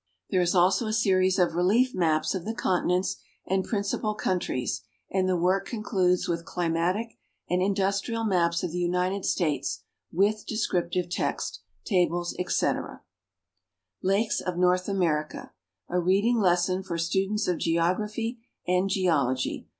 There is also a series of relief maps of the continents and principal countries, and the work concludes with cli matic and industrial maps of the United States, with descriptive text, tables, etc. Lakes of North America: A Ilea<ling Lesson for Students of Geography and Geology.